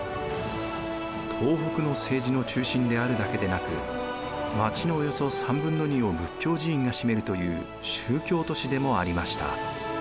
東北の政治の中心であるだけでなく町のおよそ３分の２を仏教寺院が占めるという宗教都市でもありました。